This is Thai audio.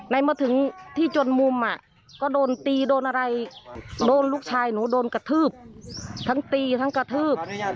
เมื่อถึงที่จนมุมก็โดนตีโดนอะไรโดนลูกชายหนูโดนกระทืบทั้งตีทั้งกระทืบ